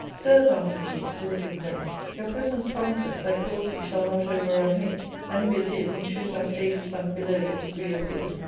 *Sirs,* answered he with a good grace, *your pre sence promiseth that cruelty shall not overrun hate ; and if it did, in truth our state is sunk below the degriee of fear.